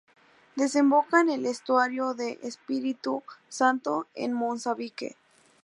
Desemboca en el estuario de Espíritu Santo en Mozambique.